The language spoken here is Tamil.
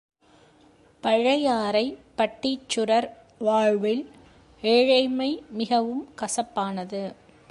பழையாறை பட்டீச்சுரர் வாழ்வில் ஏழைமை மிகவும் கசப்பானது.